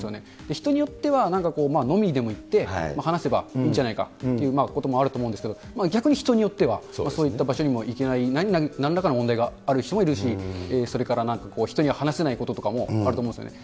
人によっては飲みにでも行って話せばいいんじゃないかということもあると思うんですけど、逆に人によってはそういった場所にも行けない、なんらかの問題がある人もいるし、それから人には話せないこともあると思うんですよね。